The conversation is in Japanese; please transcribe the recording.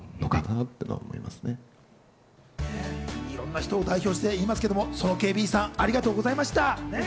いろんな人を代表して言いますけど、その警備員さん、ありがとうございました。